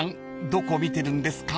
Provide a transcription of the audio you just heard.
どこ見てるんですか］